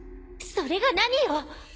それが何よ！